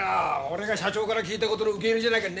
俺が社長から聞いたことの受け売りじゃないか。